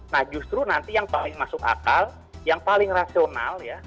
nah justru nanti yang paling masuk akal yang paling rasional ya